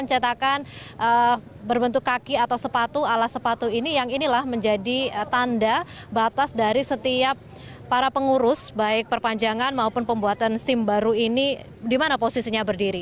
cetakan berbentuk kaki atau sepatu ala sepatu ini yang inilah menjadi tanda batas dari setiap para pengurus baik perpanjangan maupun pembuatan sim baru ini di mana posisinya berdiri